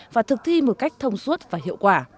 và thực thi một cách thông suốt và hiệu quả